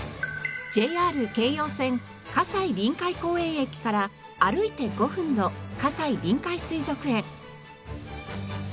ＪＲ京葉線西臨海公園駅から歩いて５分の西臨海水族園。